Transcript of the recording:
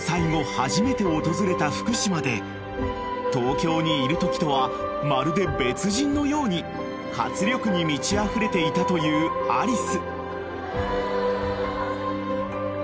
初めて訪れた福島で東京にいるときとはまるで別人のように活力に満ちあふれていたというアリス］